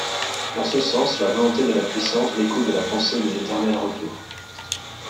En ce sens, la volonté de puissance découle de la pensée de l’Éternel Retour.